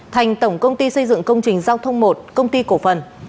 thành tổng công ty xây dựng công trình giao thông một công ty cổ phần